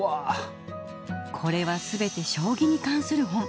これは全て将棋に関する本。